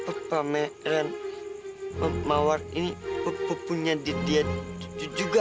apakah pemeran pembawaan ini dapetnya dia juga